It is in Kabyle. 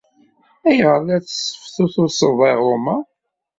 Ayɣer ay la tesseftutuseḍ aɣrum-a?